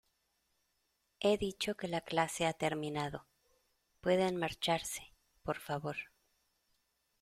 he dicho que la clase ha terminado. pueden marcharse, por favor .